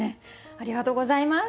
ありがとうございます。